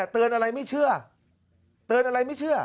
เตือนอะไรไม่เชื่อเตือนอะไรไม่เชื่อ